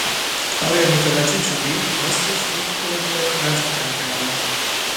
آره متوجه شدی؟ راستش یک خورده وزن کم کردهام.